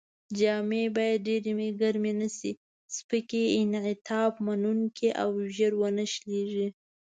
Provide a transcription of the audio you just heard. جامې باید ډېرې ګرمې نه شي، سپکې، انعطاف منوونکې او ژر و نه شلېږي.